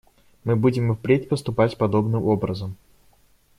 Мы будем и впредь поступать подобным образом.